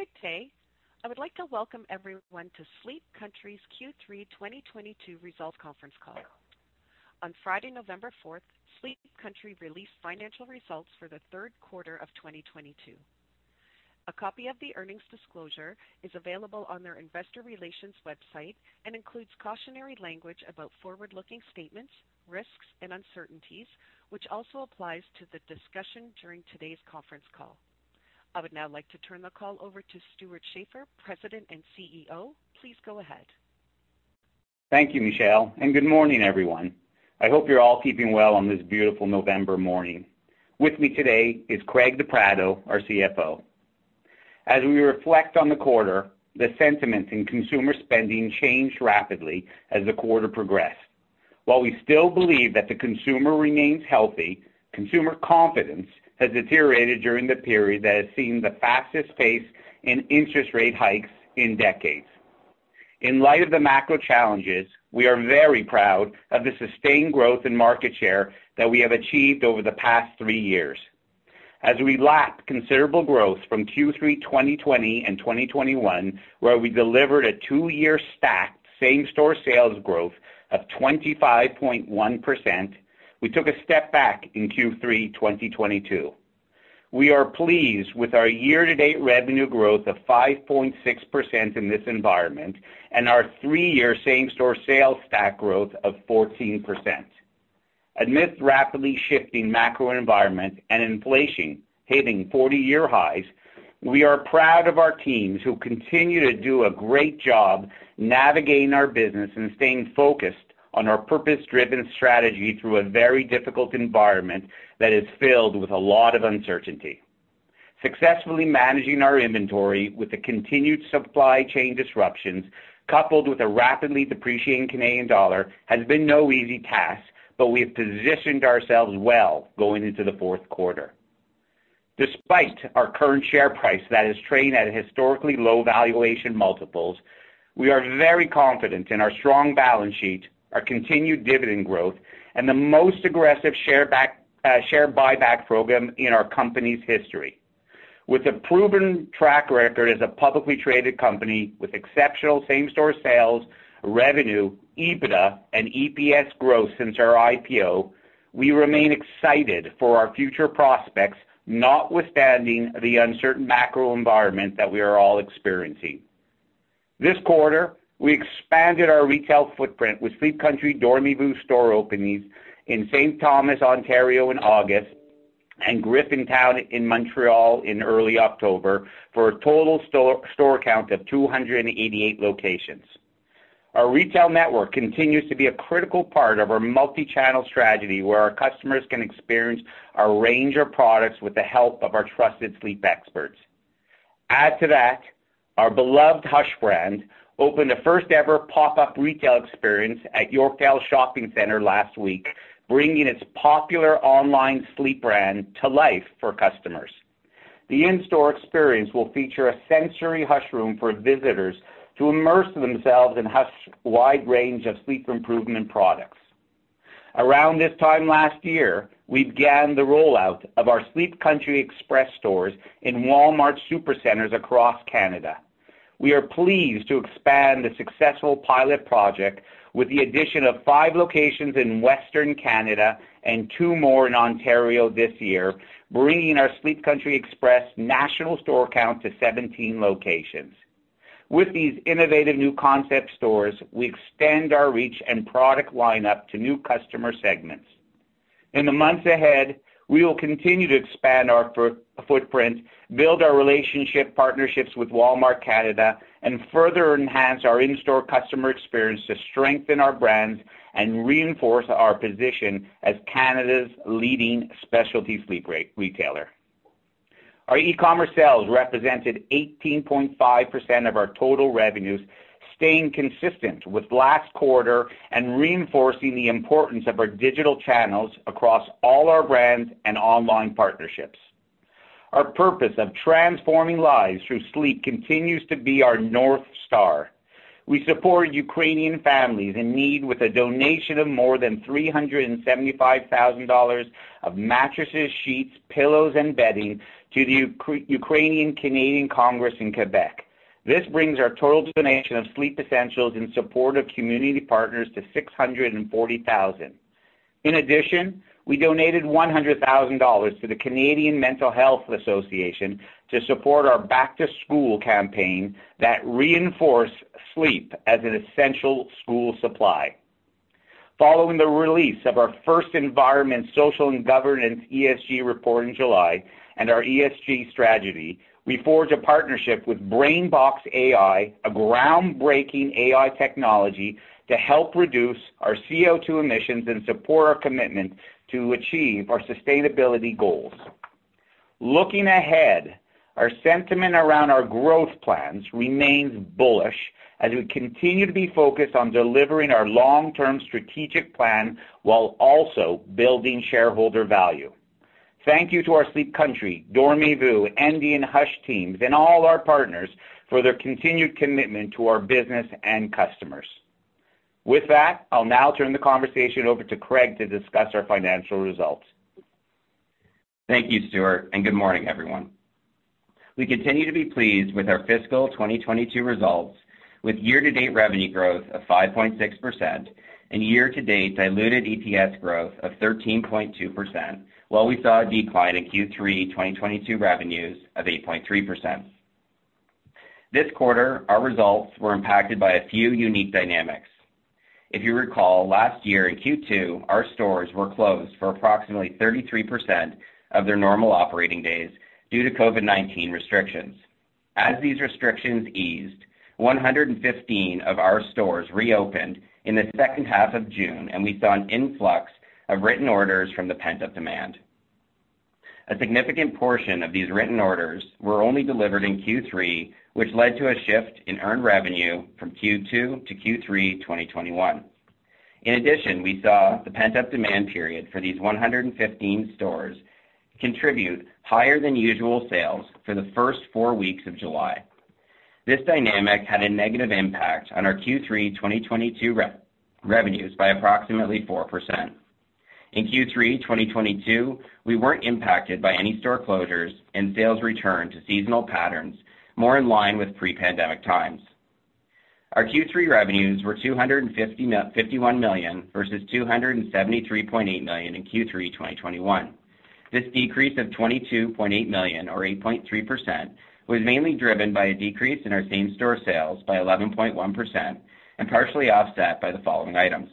Good day. I would like to welcome everyone to Sleep Country's Q3 2022 results conference call. On Friday, November fourth, Sleep Country released financial results for the third quarter of 2022. A copy of the earnings disclosure is available on their investor relations website and includes cautionary language about forward-looking statements, risks and uncertainties, which also applies to the discussion during today's conference call. I would now like to turn the call over to Stewart Schaefer, President and CEO. Please go ahead. Thank you, Michelle, and good morning, everyone. I hope you're all keeping well on this beautiful November morning. With me today is Craig De Pratto, our CFO. As we reflect on the quarter, the sentiment in consumer spending changed rapidly as the quarter progressed. While we still believe that the consumer remains healthy, consumer confidence has deteriorated during the period that has seen the fastest pace in interest rate hikes in decades. In light of the macro challenges, we are very proud of the sustained growth in market share that we have achieved over the past three years. As we lap considerable growth from Q3 2020 and 2021, where we delivered a two-year stacked same-store sales growth of 25.1%, we took a step back in Q3 2022. We are pleased with our year-to-date revenue growth of 5.6% in this environment and our three-year same-store sales stack growth of 14%. Amidst rapidly shifting macro environment and inflation hitting 40-year highs, we are proud of our teams who continue to do a great job navigating our business and staying focused on our purpose-driven strategy through a very difficult environment that is filled with a lot of uncertainty. Successfully managing our inventory with the continued supply chain disruptions, coupled with a rapidly depreciating Canadian dollar, has been no easy task, but we've positioned ourselves well going into the fourth quarter. Despite our current share price that is trading at historically low valuation multiples, we are very confident in our strong balance sheet, our continued dividend growth, and the most aggressive share buyback program in our company's history. With a proven track record as a publicly traded company with exceptional same-store sales, revenue, EBITDA, and EPS growth since our IPO, we remain excited for our future prospects, notwithstanding the uncertain macro environment that we are all experiencing. This quarter, we expanded our retail footprint with Sleep Country Dormez-vous store openings in St. Thomas, Ontario in August, and Griffintown in Montreal in early October for a total store count of 288 locations. Our retail network continues to be a critical part of our multichannel strategy where our customers can experience a range of products with the help of our trusted sleep experts. Add to that, our beloved Hush brand opened the first ever pop-up retail experience at Yorkdale Shopping Centre last week, bringing its popular online sleep brand to life for customers. The in-store experience will feature a sensory Hush room for visitors to immerse themselves in Hush wide range of sleep improvement products. Around this time last year, we began the rollout of our Sleep Country Express stores in Walmart Supercenters across Canada. We are pleased to expand the successful pilot project with the addition of five locations in Western Canada and two more in Ontario this year, bringing our Sleep Country Express national store count to 17 locations. With these innovative new concept stores, we expand our reach and product lineup to new customer segments. In the months ahead, we will continue to expand our footprint, build our relationship partnerships with Walmart Canada, and further enhance our in-store customer experience to strengthen our brands and reinforce our position as Canada's leading specialty sleep retailer. Our e-commerce sales represented 18.5% of our total revenues, staying consistent with last quarter and reinforcing the importance of our digital channels across all our brands and online partnerships. Our purpose of transforming lives through sleep continues to be our NorthStar. We support Ukrainian families in need with a donation of more than 375,000 dollars of mattresses, sheets, pillows, and bedding to the Ukrainian Canadian Congress in Quebec. This brings our total donation of sleep essentials in support of community partners to 640,000. In addition, we donated 100,000 dollars to the Canadian Mental Health Association to support our back-to-school campaign that reinforce sleep as an essential school supply. Following the release of our first environmental, social and governance ESG report in July and our ESG strategy, we forged a partnership with BrainBox AI, a groundbreaking AI technology to help reduce our CO2 emissions and support our commitment to achieve our sustainability goals. Looking ahead, our sentiment around our growth plans remains bullish as we continue to be focused on delivering our long-term strategic plan while also building shareholder value. Thank you to our Sleep Country, Dormez-vous, Endy, and Hush teams and all our partners for their continued commitment to our business and customers. With that, I'll now turn the conversation over to Craig to discuss our financial results. Thank you, Stewart, and good morning, everyone. We continue to be pleased with our fiscal 2022 results, with year-to-date revenue growth of 5.6% and year-to-date diluted EPS growth of 13.2%, while we saw a decline in Q3 2022 revenues of 8.3%. This quarter, our results were impacted by a few unique dynamics. If you recall, last year in Q2, our stores were closed for approximately 33% of their normal operating days due to COVID-19 restrictions. As these restrictions eased, 115 of our stores reopened in the second half of June, and we saw an influx of written orders from the pent-up demand. A significant portion of these written orders were only delivered in Q3, which led to a shift in earned revenue from Q2 to Q3 2021. In addition, we saw the pent-up demand period for these 115 stores contribute higher than usual sales for the first four weeks of July. This dynamic had a negative impact on our Q3 2022 revenues by approximately 4%. In Q3 2022, we weren't impacted by any store closures, and sales returned to seasonal patterns more in line with pre-pandemic times. Our Q3 revenues were 251 million versus 273.8 million in Q3 2021. This decrease of 22.8 million or 8.3% was mainly driven by a decrease in our same-store sales by 11.1% and partially offset by the following items.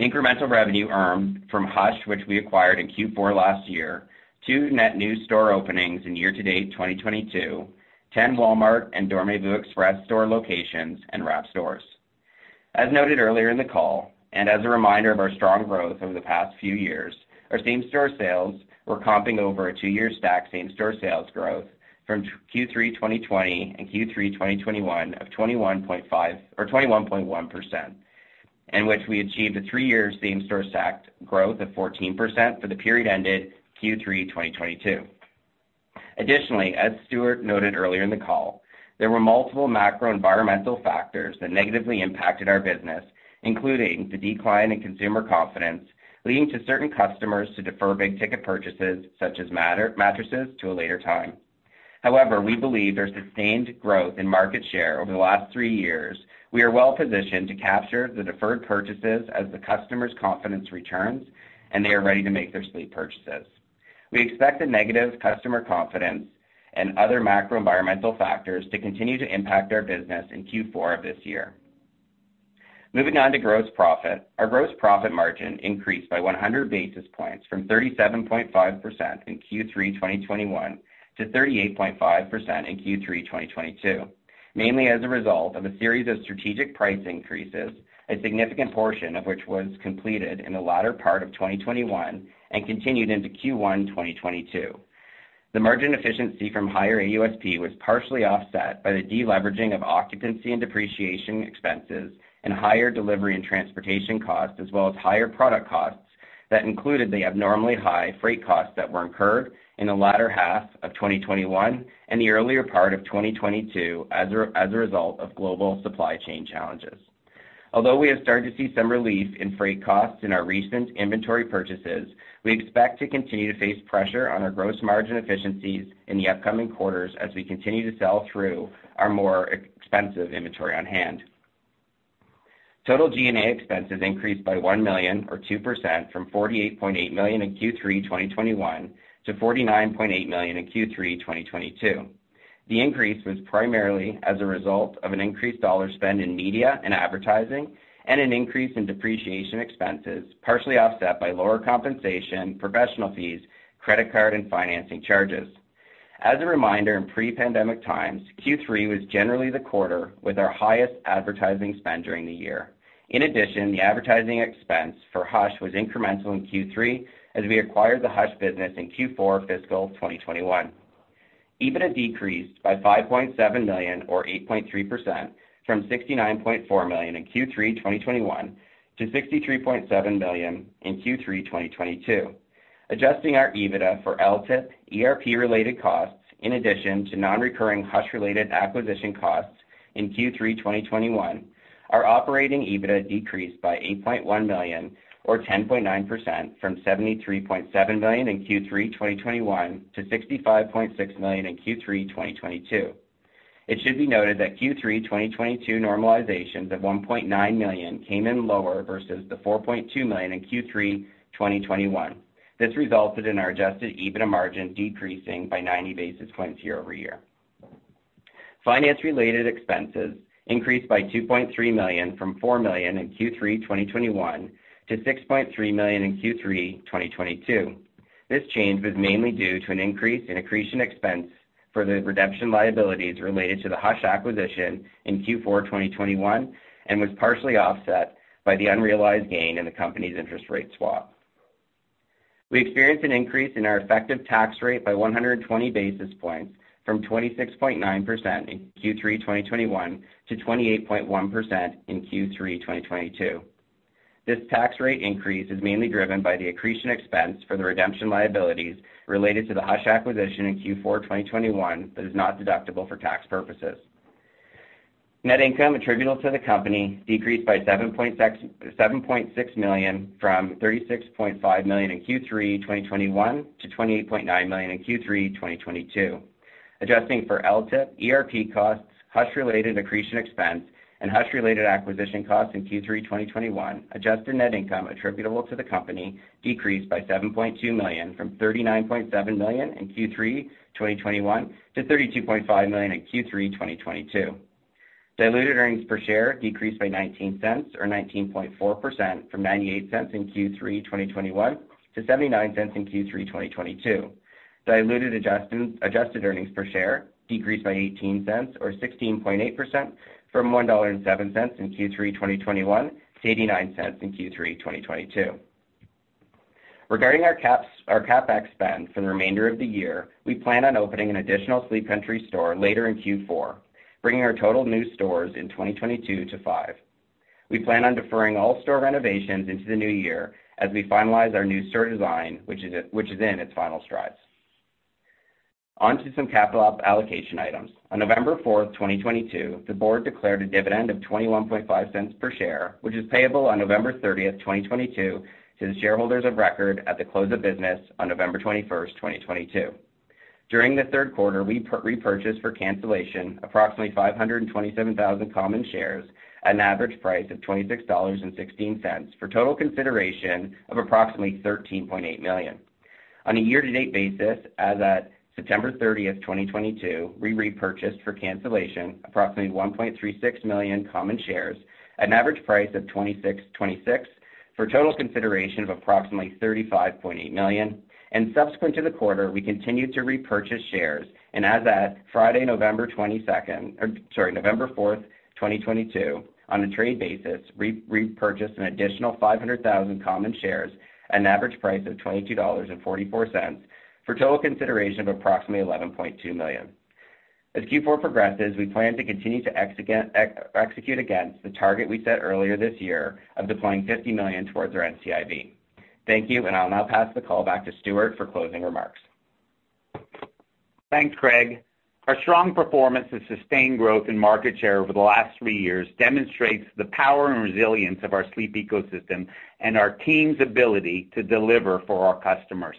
Incremental revenue earned from Hush, which we acquired in Q4 last year, two net new store openings in year-to-date 2022, 10 Walmart and Dormez-vous Express store locations, and our stores. As noted earlier in the call, as a reminder of our strong growth over the past few years, our same-store sales were comping over a two-year stack same-store sales growth from Q3 2020 and Q3 2021 of 21.5% or 21.1%, in which we achieved a three-year same-store stacked growth of 14% for the period ended Q3 2022. Additionally, as Stewart noted earlier in the call, there were multiple macro environmental factors that negatively impacted our business, including the decline in consumer confidence, leading to certain customers to defer big-ticket purchases, such as mattresses, to a later time. However, we believe our sustained growth in market share over the last three years. We are well-positioned to capture the deferred purchases as the customer's confidence returns, and they are ready to make their sleep purchases. We expect the negative customer confidence and other macro environmental factors to continue to impact our business in Q4 of this year. Moving on to gross profit. Our gross profit margin increased by 100 basis points from 37.5% in Q3 2021 to 38.5% in Q3 2022, mainly as a result of a series of strategic price increases, a significant portion of which was completed in the latter part of 2021 and continued into Q1 2022. The margin efficiency from higher AUSP was partially offset by the deleveraging of occupancy and depreciation expenses and higher delivery and transportation costs, as well as higher product costs that included the abnormally high freight costs that were incurred in the latter half of 2021 and the earlier part of 2022 as a result of global supply chain challenges. Although we have started to see some relief in freight costs in our recent inventory purchases, we expect to continue to face pressure on our gross margin efficiencies in the upcoming quarters as we continue to sell through our more expensive inventory on hand. Total G&A expenses increased by 1 million or 2% from 48.8 million in Q3 2021 to 49.8 million in Q3 2022. The increase was primarily as a result of an increased dollar spend in media and advertising and an increase in depreciation expenses, partially offset by lower compensation, professional fees, credit card and financing charges. As a reminder, in pre-pandemic times, Q3 was generally the quarter with our highest advertising spend during the year. In addition, the advertising expense for Hush was incremental in Q3 as we acquired the Hush business in Q4 fiscal 2021. EBITDA decreased by 5.7 million or 8.3% from 69.4 million in Q3 2021 to 63.7 million in Q3 2022. Adjusting our EBITDA for LTIP, ERP-related costs, in addition to non-recurring Hush-related acquisition costs in Q3 2021, our operating EBITDA decreased by 8.1 million or 10.9% from 73.7 million in Q3 2021 to 65.6 million in Q3 2022. It should be noted that Q3 2022 normalizations of 1.9 million came in lower versus the 4.2 million in Q3 2021. This resulted in our Adjusted EBITDA margin decreasing by 90 basis points year-over-year. Finance-related expenses increased by 2.3 million from 4 million in Q3 2021 to 6.3 million in Q3 2022. This change was mainly due to an increase in accretion expense for the redemption liabilities related to the Hush acquisition in Q4 2021 and was partially offset by the unrealized gain in the company's interest rate swap. We experienced an increase in our effective tax rate by 120 basis points from 26.9% in Q3 2021 to 28.1% in Q3 2022. This tax rate increase is mainly driven by the accretion expense for the redemption liabilities related to the Hush acquisition in Q4 2021 that is not deductible for tax purposes. Net income attributable to the company decreased by 7.6 million from 36.5 million in Q3 2021 to 28.9 million in Q3 2022. Adjusting for LTIP, ERP costs, Hush-related accretion expense, and Hush-related acquisition costs in Q3 2021, adjusted net income attributable to the company decreased by CAD 7.2 million from CAD 39.7 million in Q3 2021 to CAD 32.5 million in Q3 2022. Diluted earnings per share decreased by 0.19 or 19.4% from 0.98 in Q3 2021 to 0.79 in Q3 2022. Adjusted earnings per share decreased by 0.18 or 16.8% from CAD 1.07 in Q3 2021 to 0.89 in Q3 2022. Regarding our CapEx spend for the remainder of the year, we plan on opening an additional Sleep Country store later in Q4, bringing our total new stores in 2022 to five. We plan on deferring all store renovations into the new year as we finalize our new store design, which is in its final strides. On to some capital allocation items. On November fourth, 2022, the board declared a dividend of 0.215 per share, which is payable on November 30th, 2022, to the shareholders of record at the close of business on November 21st, 2022. During the third quarter, we repurchased for cancellation approximately 527,000 common shares at an average price of 26.16 dollars for total consideration of approximately 13.8 million. On a year-to-date basis, as of September thirtieth, 2022, we repurchased for cancellation approximately 1.36 million common shares at an average price of 26, for a total consideration of approximately 35.8 million. Subsequent to the quarter, we continued to repurchase shares. As of Friday, November 22nd, or sorry, November 4th, 2022, on a trade basis, repurchased an additional 500,000 common shares at an average price of 22.44 dollars for total consideration of approximately 11.2 million. As Q4 progresses, we plan to continue to execute against the target we set earlier this year of deploying 50 million towards our NCIB. Thank you, and I'll now pass the call back to Stewart for closing remarks. Thanks, Craig. Our strong performance and sustained growth in market share over the last three years demonstrates the power and resilience of our sleep ecosystem and our team's ability to deliver for our customers.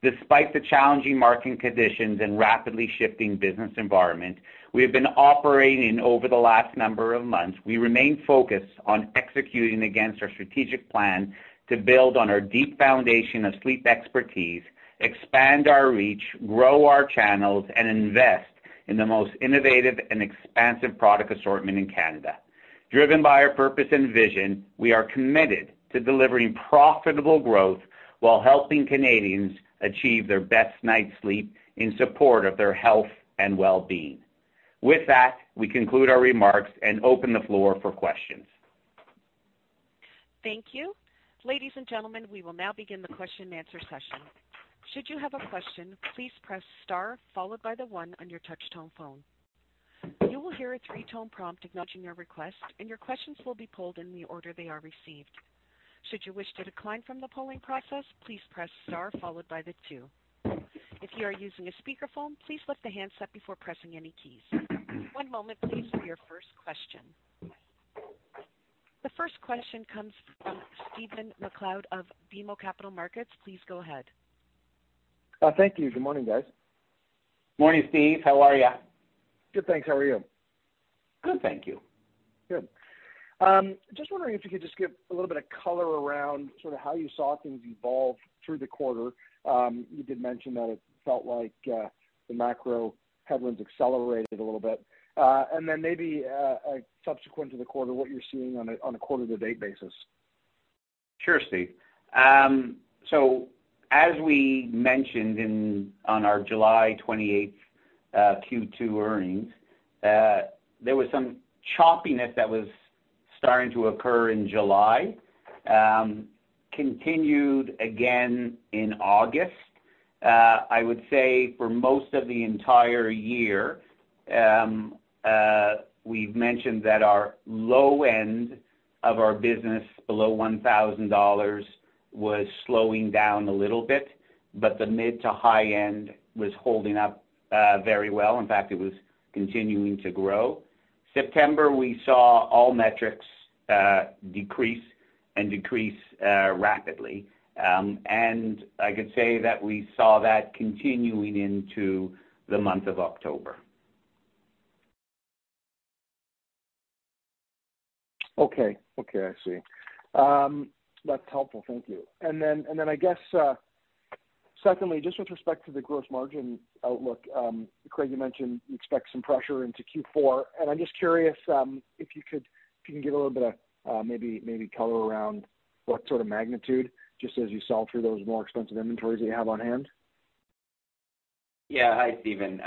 Despite the challenging market conditions and rapidly shifting business environment we have been operating over the last number of months, we remain focused on executing against our strategic plan to build on our deep foundation of sleep expertise, expand our reach, grow our channels, and invest in the most innovative and expansive product assortment in Canada. Driven by our purpose and vision, we are committed to delivering profitable growth while helping Canadians achieve their best night's sleep in support of their health and well-being. With that, we conclude our remarks and open the floor for questions. Thank you. Ladies and gentlemen, we will now begin the question-and-answer session. Should you have a question, please press star followed by the one on your touch-tone phone. You will hear a three-tone prompt acknowledging your request, and your questions will be pulled in the order they are received. Should you wish to decline from the polling process, please press star followed by the two. If you are using a speakerphone, please lift the handset before pressing any keys. One moment please for your first question. The first question comes from Stephen MacLeod of BMO Capital Markets. Please go ahead. Thank you. Good morning, guys. Morning, Steve. How are you? Good, thanks. How are you? Good, thank you. Good. Just wondering if you could just give a little bit of color around sort of how you saw things evolve through the quarter. You did mention that it felt like the macro headwinds accelerated a little bit. Maybe subsequent to the quarter, what you're seeing on a quarter-to-date basis. Sure, Steve. As we mentioned on our July 28 Q2 earnings, there was some choppiness that was starting to occur in July, continued again in August. I would say for most of the entire year, we've mentioned that our low end of our business below 1,000 dollars was slowing down a little bit, but the mid to high end was holding up very well. In fact, it was continuing to grow. September, we saw all metrics decrease rapidly. I could say that we saw that continuing into the month of October. Okay. Okay, I see. That's helpful. Thank you. Secondly, just with respect to the gross margin outlook, Craig, you mentioned you expect some pressure into Q4, and I'm just curious, if you can give a little bit of, maybe, color around what sort of magnitude, just as you sell through those more expensive inventories that you have on hand. Hi, Stephen.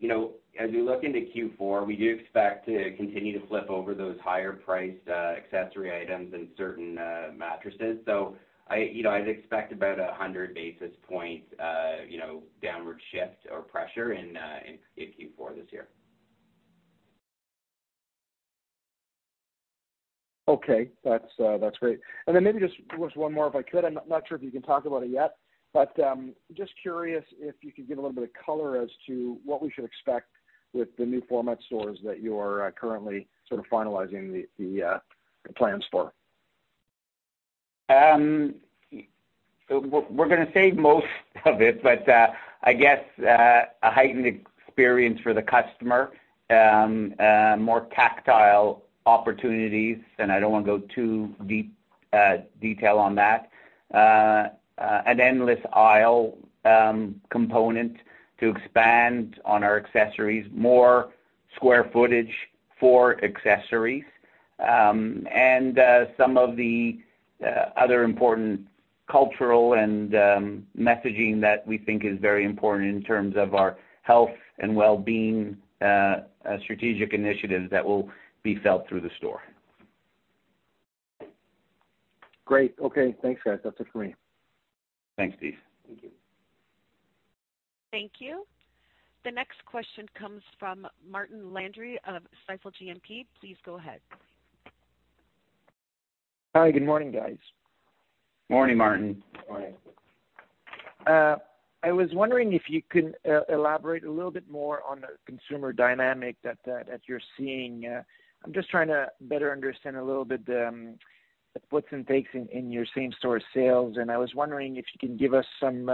You know, as we look into Q4, we do expect to continue to flip over those higher-priced accessory items and certain mattresses. You know, I'd expect about 100 basis points downward shift or pressure in Q4 this year. Okay, that's great. Maybe just one more, if I could. I'm not sure if you can talk about it yet, but just curious if you could give a little bit of color as to what we should expect with the new format stores that you are currently sort of finalizing the plans for. We're gonna say most of it, but I guess a heightened experience for the customer, more tactile opportunities. I don't wanna go too deep, detail on that. An endless aisle component to expand on our accessories, more square footage for accessories, and some of the other important cultural and messaging that we think is very important in terms of our health and well-being strategic initiatives that will be felt through the store. Great. Okay. Thanks, guys. That's it for me. Thanks, Stephen. Thank you. Thank you. The next question comes from Martin Landry of Stifel GMP. Please go ahead. Hi. Good morning, guys. Morning, Martin. Morning. I was wondering if you can elaborate a little bit more on the consumer dynamic that you're seeing. I'm just trying to better understand a little bit the puts and takes in your same-store sales. I was wondering if you can give us some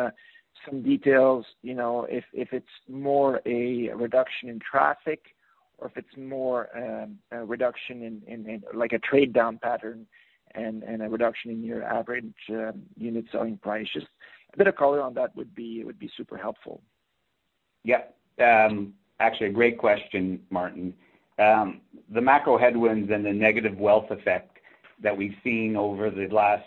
details, you know, if it's more a reduction in traffic or if it's more a reduction like a trade-down pattern and a reduction in your average unit selling price. Just a bit of color on that would be super helpful. Yeah. Actually a great question, Martin. The macro headwinds and the negative wealth effect that we've seen over the last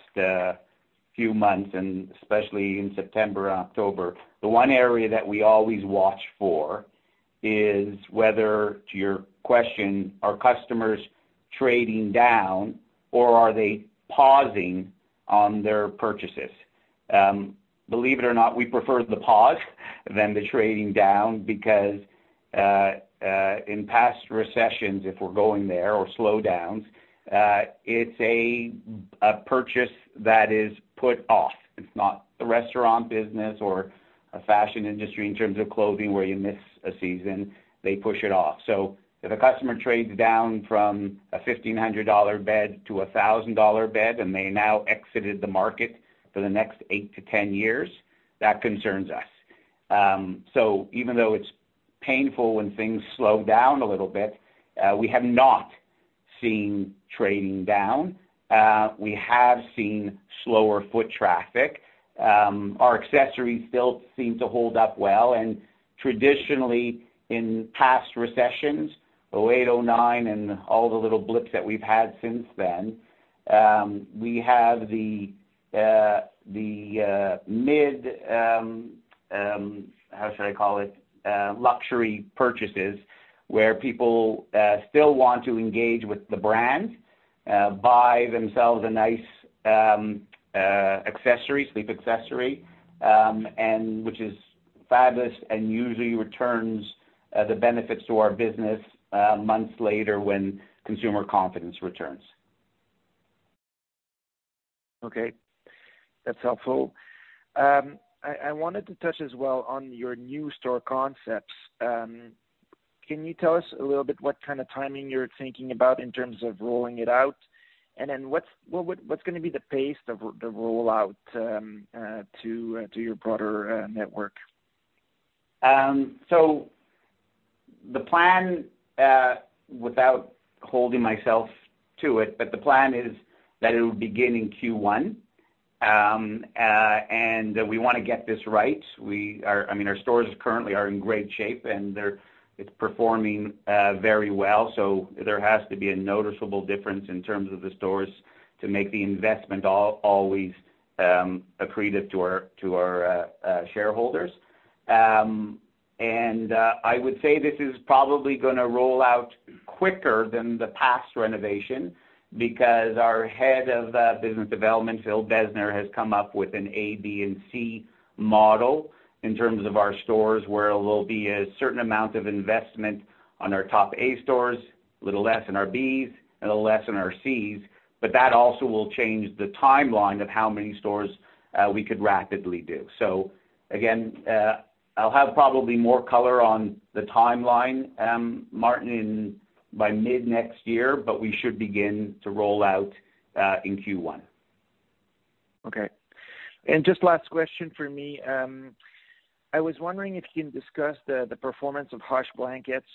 few months, and especially in September and October, the one area that we always watch for is whether, to your question, are customers trading down or are they pausing on their purchases? Believe it or not, we prefer the pause than the trading down because in past recessions, if we're going there or slowdowns, it's a purchase that is put off. It's not the restaurant business or a fashion industry in terms of clothing where you miss a season, they push it off. So if a customer trades down from a 1,500 dollar bed to a 1,000 dollar bed, and they now exited the market for the next 8-10 years, that concerns us. Even though it's painful when things slow down a little bit, we have not seen trading down. We have seen slower foot traffic. Our accessories still seem to hold up well, and traditionally, in past recessions, 2008, 2009, and all the little blips that we've had since then, we have the luxury purchases, where people still want to engage with the brand, buy themselves a nice accessory, sleep accessory, and which is fabulous and usually returns the benefits to our business months later when consumer confidence returns. Okay. That's helpful. I wanted to touch as well on your new store concepts. Can you tell us a little bit what kind of timing you're thinking about in terms of rolling it out? What's gonna be the pace of the rollout to your broader network? The plan, without holding myself to it, but the plan is that it will begin in Q1. We wanna get this right. I mean, our stores currently are in great shape, and it's performing very well. There has to be a noticeable difference in terms of the stores to make the investment always accretive to our shareholders. I would say this is probably gonna roll out quicker than the past renovation because our Head of Business Development, Phil Besner, has come up with an A, B, and C model in terms of our stores, where it will be a certain amount of investment on our top A stores, a little less in our Bs and a little less in our Cs, but that also will change the timeline of how many stores we could rapidly do. I'll have probably more color on the timeline, Martin, in by mid-next year, but we should begin to roll out in Q1. Okay. Just last question for me. I was wondering if you can discuss the performance of Hush Blankets.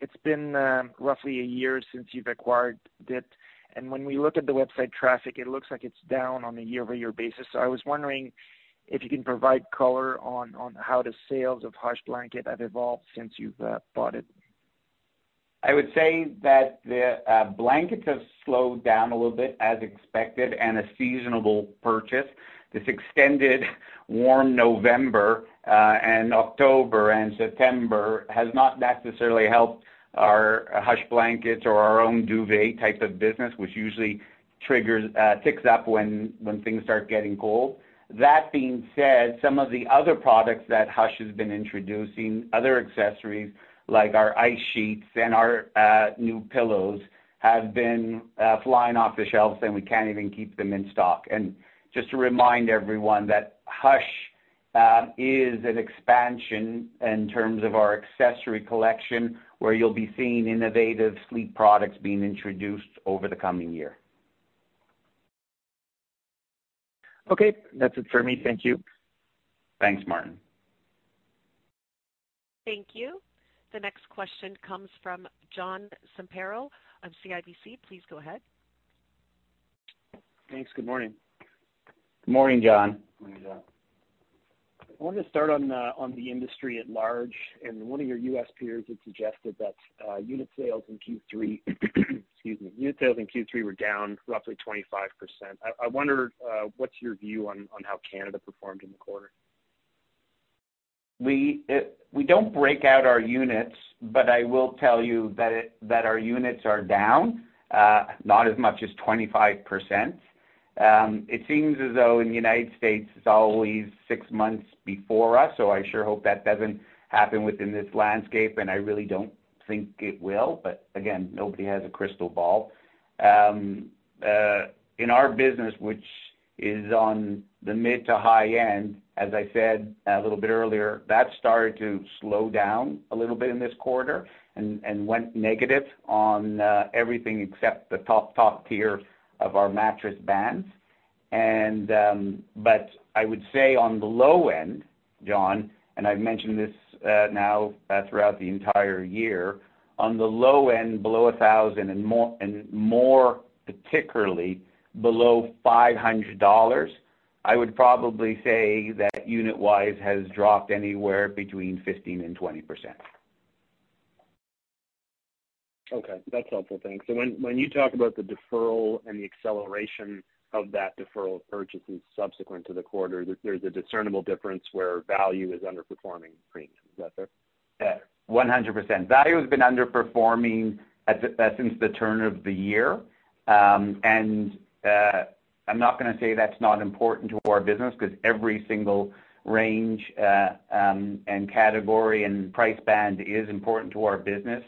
It's been roughly a year since you've acquired it, and when we look at the website traffic, it looks like it's down on a year-over-year basis. I was wondering if you can provide color on how the sales of Hush Blankets have evolved since you've bought it. I would say that the blankets have slowed down a little bit as expected and a seasonal purchase. This extended warm November, and October and September has not necessarily helped our Hush Blankets or our own duvet type of business, which usually ticks up when things start getting cold. That being said, some of the other products that Hush has been introducing, other accessories like our ice sheets and our new pillows, have been flying off the shelves, and we can't even keep them in stock. Just to remind everyone that Hush is an expansion in terms of our accessory collection, where you'll be seeing innovative sleep products being introduced over the coming year. Okay. That's it for me. Thank you. Thanks, Martin. Thank you. The next question comes from John Zamparo of CIBC. Please go ahead. Thanks. Good morning. Good morning, John. Morning, John. I wanted to start on the industry at large. One of your U.S. peers had suggested that unit sales in Q3 were down roughly 25%. I wonder what's your view on how Canada performed in the quarter? We don't break out our units, but I will tell you that our units are down, not as much as 25%. It seems as though in the United States, it's always six months before us, so I sure hope that doesn't happen within this landscape, and I really don't think it will. But again, nobody has a crystal ball. In our business, which is on the mid to high end, as I said a little bit earlier, that started to slow down a little bit in this quarter and went negative on everything except the top tier of our mattress brands. I would say on the low end, John, and I've mentioned this, now throughout the entire year, on the low end, below 1,000 and more, and more particularly below 500 dollars, I would probably say that unit-wise has dropped anywhere between 15%-20%. Okay. That's helpful. Thanks. When you talk about the deferral and the acceleration of that deferral of purchases subsequent to the quarter, there's a discernible difference where value is underperforming premium. Is that fair? Yeah, 100%. Value has been underperforming since the turn of the year. I'm not gonna say that's not important to our business because every single range and category and price band is important to our business.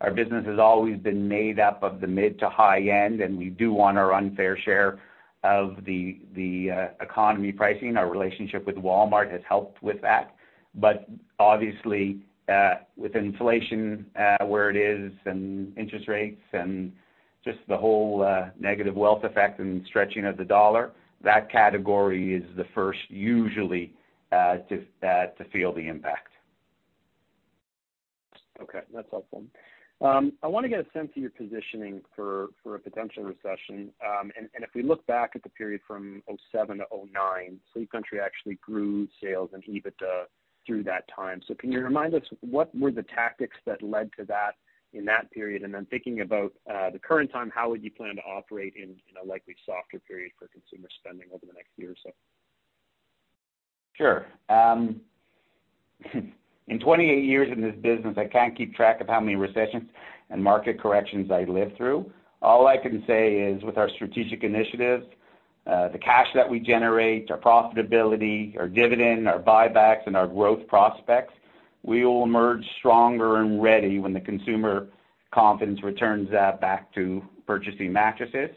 Our business has always been made up of the mid to high end, and we do want our unfair share of the economy pricing. Our relationship with Walmart has helped with that. Obviously, with inflation where it is and interest rates and just the whole negative wealth effect and stretching of the dollar, that category is the first usually to feel the impact. Okay. That's helpful. I want to get a sense of your positioning for a potential recession. If we look back at the period from 2007 to 2009, Sleep Country actually grew sales and EBITDA through that time. Can you remind us what were the tactics that led to that in that period? Thinking about the current time, how would you plan to operate in a likely softer period for consumer spending over the next year or so? Sure. In 28 years in this business, I can't keep track of how many recessions and market corrections I lived through. All I can say is, with our strategic initiatives, the cash that we generate, our profitability, our dividend, our buybacks, and our growth prospects, we will emerge stronger and ready when the consumer confidence returns back to purchasing mattresses.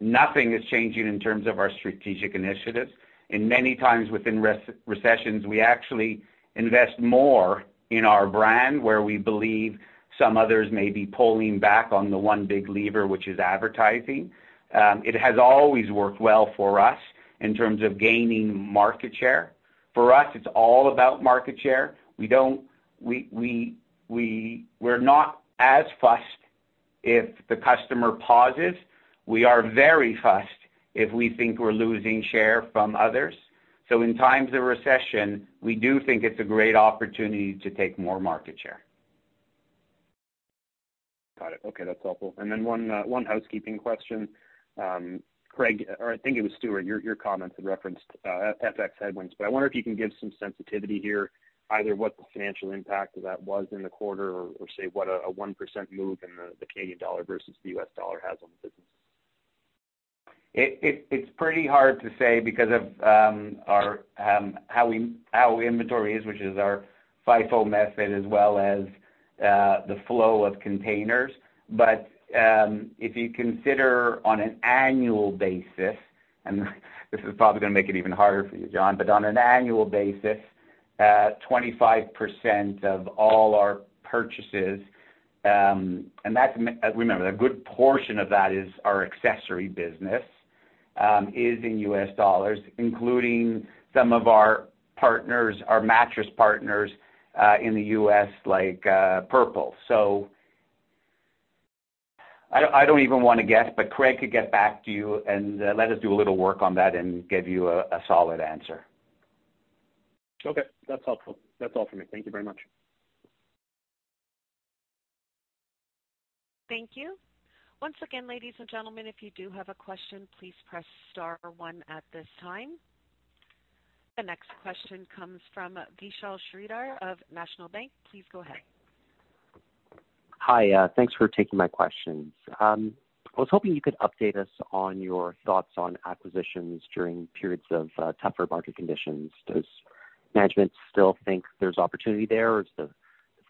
Nothing is changing in terms of our strategic initiatives. In many times within recessions, we actually invest more in our brand, where we believe some others may be pulling back on the one big lever, which is advertising. It has always worked well for us in terms of gaining market share. For us, it's all about market share. We're not as fussed if the customer pauses. We are very fussed if we think we're losing share from others. In times of recession, we do think it's a great opportunity to take more market share. Got it. Okay. That's helpful. Then one housekeeping question. Craig, or I think it was Stewart, your comments had referenced FX headwinds, but I wonder if you can give some sensitivity here, either what the financial impact of that was in the quarter or say what a 1% move in the Canadian dollar versus the US dollar has on the business? It's pretty hard to say because of how our inventory is, which is our FIFO method, as well as the flow of containers. If you consider on an annual basis, and this is probably gonna make it even harder for you, John, but on an annual basis, 25% of all our purchases, and that's. Remember, a good portion of that is our accessory business is in US dollars, including some of our partners, our mattress partners in the U.S., like Purple. I don't even wanna guess, but Craig could get back to you and let us do a little work on that and give you a solid answer. Okay. That's helpful. That's all for me. Thank you very much. Thank you. Once again, ladies and gentlemen, if you do have a question, please press star one at this time. The next question comes from Vishal Shreedhar of National Bank. Please go ahead. Hi. Thanks for taking my questions. I was hoping you could update us on your thoughts on acquisitions during periods of tougher market conditions. Does management still think there's opportunity there? Or is the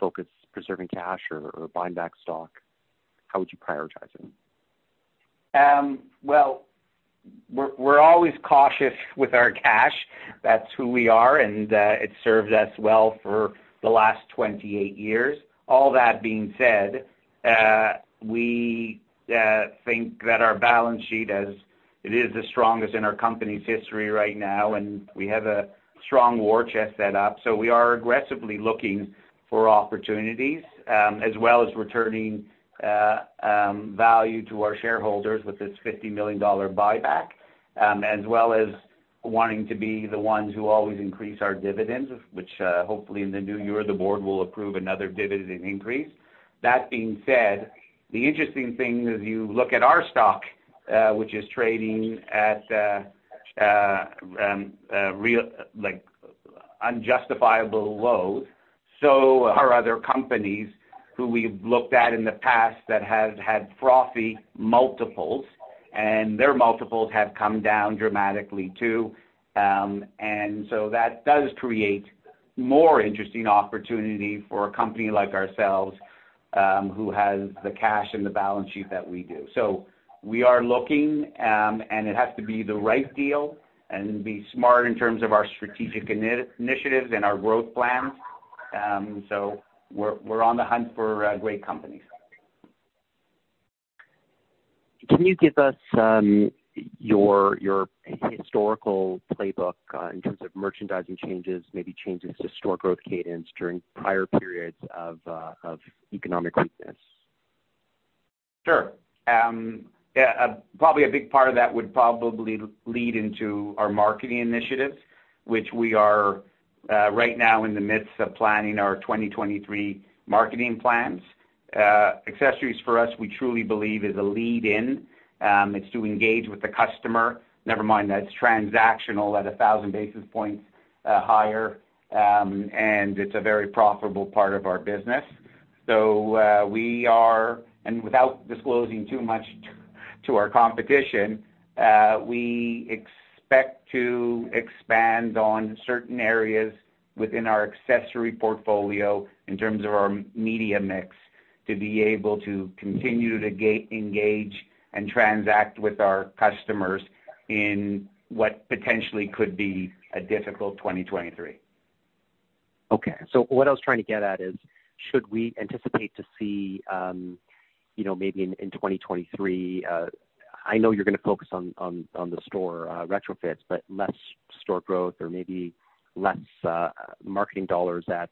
focus preserving cash or buying back stock? How would you prioritize them? Well, we're always cautious with our cash. That's who we are, and it served us well for the last 28 years. All that being said, we think that our balance sheet as it is the strongest in our company's history right now, and we have a strong war chest set up. We are aggressively looking for opportunities, as well as returning value to our shareholders with this 50 million dollar buyback, as well as wanting to be the ones who always increase our dividends, which hopefully in the new year, the board will approve another dividend increase. That being said, the interesting thing, as you look at our stock, which is trading at like unjustifiable lows, so are other companies who we've looked at in the past that have had frothy multiples, and their multiples have come down dramatically, too. That does create more interesting opportunity for a company like ourselves, who has the cash and the balance sheet that we do. We are looking, and it has to be the right deal, and be smart in terms of our strategic initiatives and our growth plans. We're on the hunt for great companies. Can you give us your historical playbook in terms of merchandising changes, maybe changes to store growth cadence during prior periods of economic weakness? Sure. Yeah, probably a big part of that would probably lead into our marketing initiatives, which we are right now in the midst of planning our 2023 marketing plans. Accessories for us, we truly believe is a lead in. It's to engage with the customer, never mind that it's transactional at 1000 basis points higher. It's a very profitable part of our business. Without disclosing too much to our competition, we expect to expand on certain areas within our accessory portfolio in terms of our media mix, to be able to continue to engage and transact with our customers in what potentially could be a difficult 2023. Okay. What I was trying to get at is, should we anticipate to see, you know, maybe in 2023, I know you're gonna focus on the store retrofits, but less store growth or maybe less marketing dollars at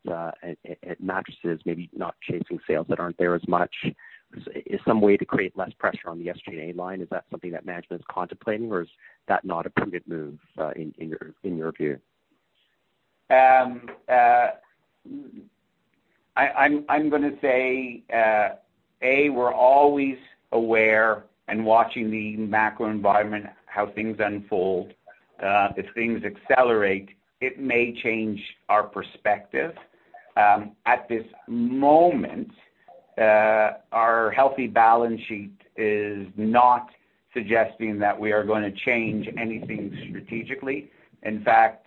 mattresses, maybe not chasing sales that aren't there as much. Is some way to create less pressure on the SG&A line? Is that something that management is contemplating or is that not a prudent move, in your view? We're always aware and watching the macro environment, how things unfold. If things accelerate, it may change our perspective. At this moment, our healthy balance sheet is not suggesting that we are gonna change anything strategically. In fact,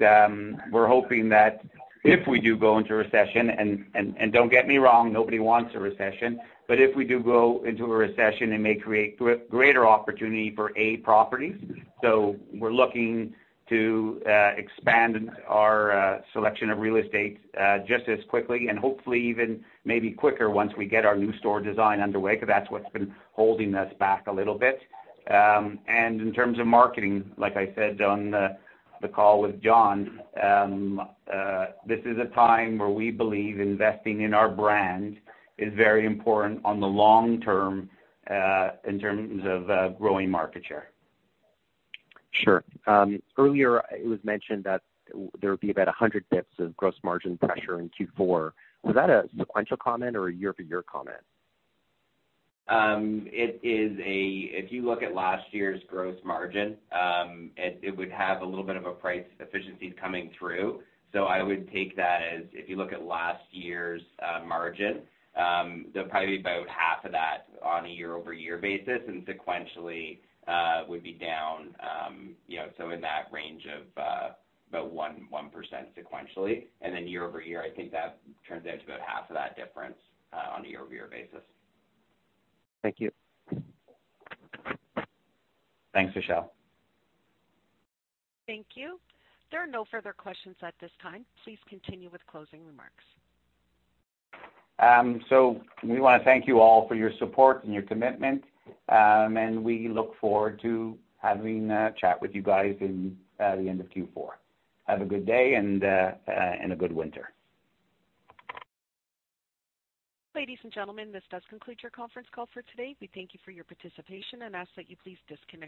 we're hoping that if we do go into recession, don't get me wrong, nobody wants a recession. If we do go into a recession, it may create greater opportunity for properties. We're looking to expand our selection of real estate just as quickly and hopefully even maybe quicker once we get our new store design underway, because that's what's been holding us back a little bit. In terms of marketing, like I said on the call with John, this is a time where we believe investing in our brand is very important on the long term, in terms of growing market share. Sure. Earlier it was mentioned that there would be about 100 basis points of gross margin pressure in Q4. Was that a sequential comment or a year-over-year comment? If you look at last year's gross margin, it would have a little bit of a price efficiency coming through. I would take that as if you look at last year's margin, there'd probably be about half of that on a year-over-year basis, and sequentially, would be down, you know, so in that range of about 1% sequentially. Then year-over-year, I think that turns into about half of that difference on a year-over-year basis. Thank you. Thanks, Vishal. Thank you. There are no further questions at this time. Please continue with closing remarks. We wanna thank you all for your support and your commitment. We look forward to having a chat with you guys in the end of Q4. Have a good day and a good winter. Ladies and gentlemen, this does conclude your conference call for today. We thank you for your participation and ask that you please disconnect.